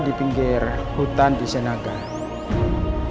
di pinggir hutan di senaga